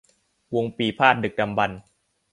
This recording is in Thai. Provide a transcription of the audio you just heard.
วงปี่พาทย์ดึกดำบรรพ์